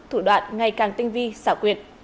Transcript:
thủ đoạn ngày càng tinh vi xảo quyệt